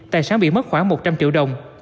tài sản bị mất khoảng một trăm linh triệu đồng